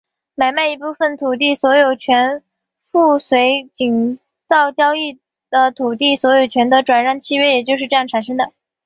买卖一部分土地所有权附随井灶交易的土地所有权的转让契约也就是这样产生的。